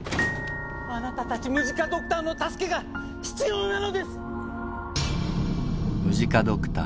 あなたたちムジカ・ドクターの助けが必要なのです！